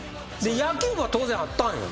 野球部は当然あったんよ。